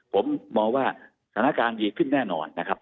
ผมมองว่าสถานการณ์ดีขึ้นแน่นอน